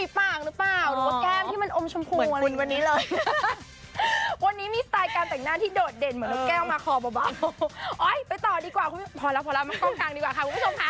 พอเรามากล้องกลางดีกว่าค่ะคุณผู้ชมค่ะ